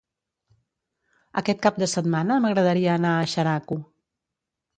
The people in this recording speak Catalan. Aquest cap de setmana m'agradaria anar a Xeraco.